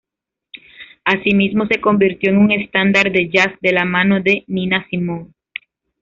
Asimismo se convirtió en un estándar de jazz de la mano de Nina Simone.